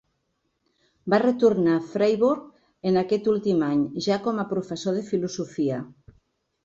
Va retornar a Friburg en aquest últim any, ja com a professor de filosofia.